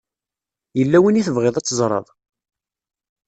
Yella win i tebɣiḍ ad teẓṛeḍ?